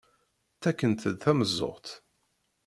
Ttakkent-d tameẓẓuɣt.